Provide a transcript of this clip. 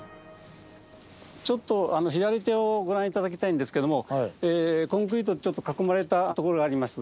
ちょっと左手をご覧頂きたいんですけどもコンクリートでちょっと囲まれたところがあります。